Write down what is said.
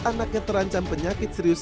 anaknya terancam penyakit serius